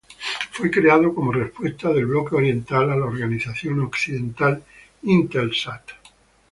Fue creado como respuesta del Bloque Oriental a la organización occidental Intelsat.